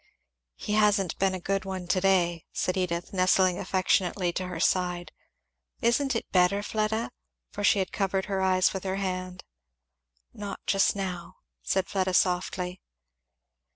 "He hasn't been a good one to day," said Edith nestling affectionately to her side. "Isn't it better, Fleda?" for she had covered her eyes with her hand. "Not just now," said Fleda softly.